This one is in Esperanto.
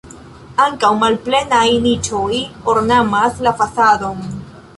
Ankaŭ malplenaj niĉoj ornamas la fasadon.